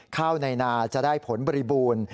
ข้าวในนาจะได้ผลบริบูรณ์